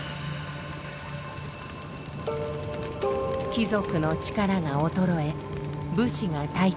貴族の力が衰え武士が台頭。